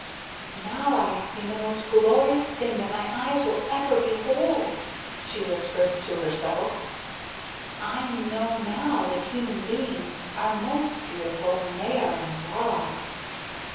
"Now I have seen the most glorious thing that my eyes will ever behold," she whispered to herself. "I know now that human beings are most beautiful when they are in love."